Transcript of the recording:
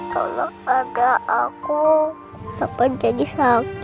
kalau ada aku papa jadi sakit